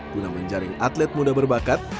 guna menjaring atlet muda berbakat